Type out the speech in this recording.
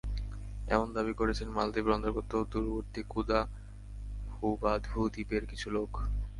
এমন দাবি করেছেন মালদ্বীপের অন্তর্গত দূরবর্তী কুদা হুবাধু দ্বীপের কিছু লোক।